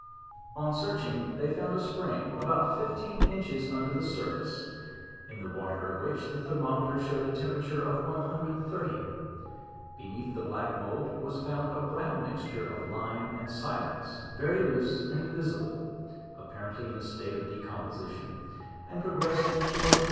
On searching they found a spring, about fifteen inches un der the surface, in the water of which the Thermometer showed a temperature of 130. Beneath the black, mould was found a brown mixture of lime and silex, very loose and divisible, apparently in ,1 state of decomposition, and pro gressing towards the